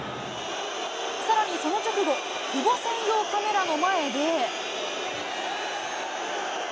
さらにその直後、久保専用カメラの前で。